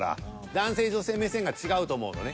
男性女性目線が違うと思うのね。